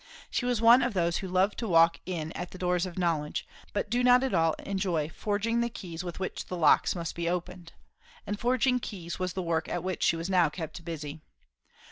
She was one of those who love to walk in at the doors of knowledge, but do not at all enjoy forging the keys with which the locks must be opened. And forging keys was the work at which she was now kept busy.